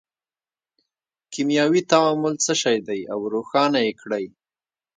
کیمیاوي تعامل څه شی دی او روښانه یې کړئ.